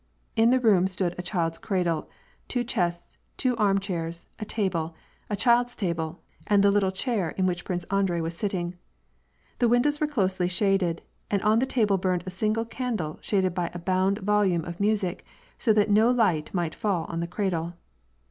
In the room stood a child's cradle, two chests, two arm chairs, a table, a child's table, and the little chair in which Prince Andrei was sitting. The windows were closely shaded, and on th6 table burned a single candle shaded by a bound volume of music, so that no light might fall on the cradle.